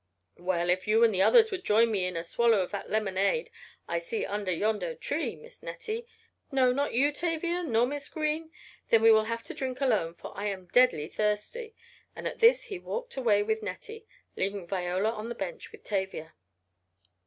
"Well, if you and the others would join me in a swallow of that lemonade I see under yonder tree, Miss Nettie, No, not you Tavia, nor Miss Green? Then we will have to drink alone, for I am deadly thirsty," and at this he walked away with Nettie, leaving Viola on the bench with Tavia.